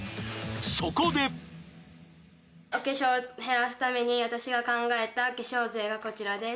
そこでお化粧を減らすために私が考えた化粧税がこちらです。